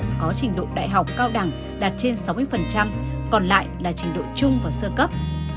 trong đó trình độ đại học cao đẳng đạt trên sáu mươi còn lại là trình độ trung và sơ cấp